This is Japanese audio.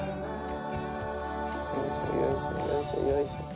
よいしょよいしょよいしょよいしょ。